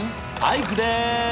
アイクです。